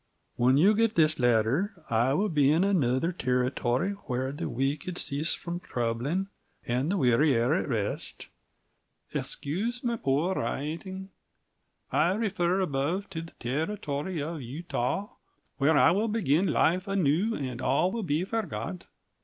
"When you get this Letter i will Be in A nuther tearritory whare the weekid seize from trubbling & the weery air at Reast excoose my Poor writing i refer above to the tearritory of Utaw where i will begin Life A new & all will be fergott.